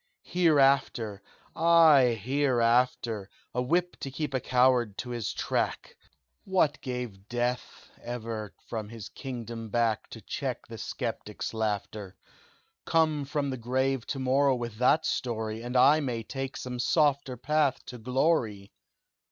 "'Hereafter!' Ay hereafter! A whip to keep a coward to his track! What gave Death ever from his kingdom back To check the sceptic's laughter? Come from the grave to morrow with that story, And I may take some softer path to glory.